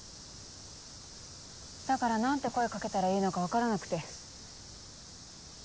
だから何て声掛けたらいいのか分からなくて。